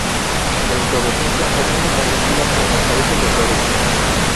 La inflorescencia es una panícula con las cabezas de flores.